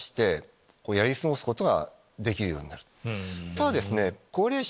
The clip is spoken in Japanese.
ただですね。